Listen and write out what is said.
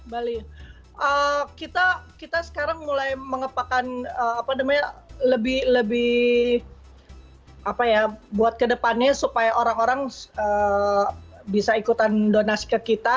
bali kita sekarang mulai mengepakan apa namanya lebih buat kedepannya supaya orang orang bisa ikutan donasi ke kita